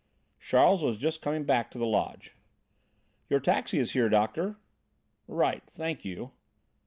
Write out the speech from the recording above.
Charles was just coming back to the lodge. "Your taxi is here, Doctor." "Right. Thank you."